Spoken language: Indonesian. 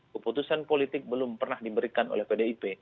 keputusan politik belum pernah diberikan oleh pdip